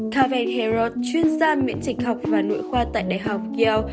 calvin herod chuyên gia miễn dịch học và nội khoa tại đại học yale